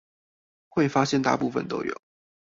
會發現大部分都有